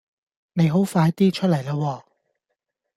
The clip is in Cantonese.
你好快啲出嚟啦喎